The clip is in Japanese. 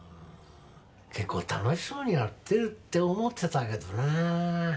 結構楽しそうにやってるって思ってたけどなあ。